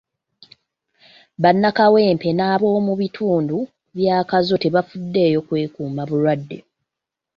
Bannakawempe n'ab'omu bitundu bya Kazo tebafuddeyo kwekuuma bulwadde.